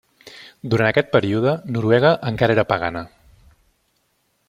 Durant aquest període, Noruega era encara pagana.